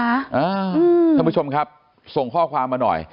ท่านผู้ชมครับส่งข้อความมาหน่อย